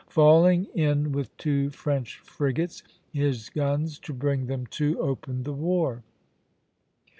Falling in with two French frigates, his guns, to bring them to, opened the war.